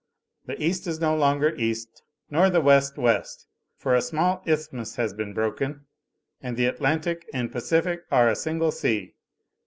The East is no longer East nor the West West; for a small isthmus has been broken, and the Atlantic and Pacific are a single sea.